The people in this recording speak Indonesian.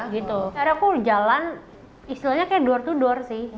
karena aku jalan istilahnya kayak door to door sih